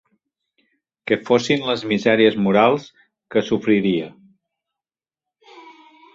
Que fossin les misèries morals que sofriria